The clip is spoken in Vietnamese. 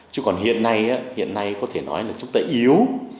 chứ còn hiện nay hiện nay có thể nói là chúng ta yếu